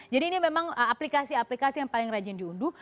jadi ini memang aplikasi aplikasi yang paling rajin diunduh